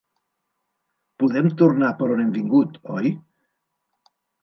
Podem tornar per on hem vingut, oi?